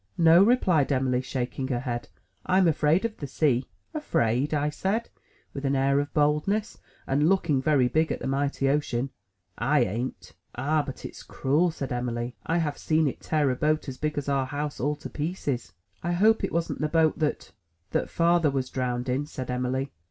'*No," replied Em'ly, shaking her head. 'Tm afraid of the sea." "Afraid!" I said, with an air of boldness, and looking very big at the mighty ocean. "/ ain't." "Ah! but it's cruel," said Em'ly. "I have seen it tear a boat as big as our house, all to pieces." "I hope it wasn't the boat that —" "That father was drownded in?" said Em'ly.